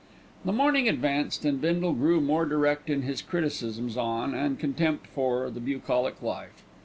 The morning advanced, and Bindle grew more direct in his criticisms on, and contempt for, the bucolic life.